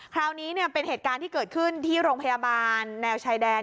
คราวนี้เป็นเหตุการณ์ที่เกิดขึ้นที่โรงพยาบาลแนวชายแดน